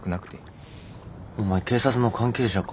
お前警察の関係者か？